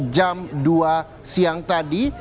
jam dua siang tadi